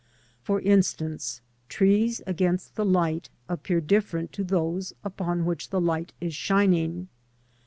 For instance, trees against the light appear different to those upon which the light is shining.